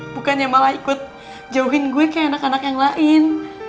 bukannya malah ikut jauhin gue ke anak anak yang lain